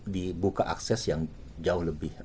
dibuka akses yang jauh lebih